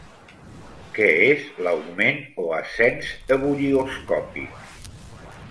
Què és l'augment o ascens ebullioscòpic?